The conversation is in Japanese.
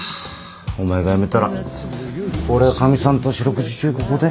お前が辞めたら俺はかみさんと四六時中ここで。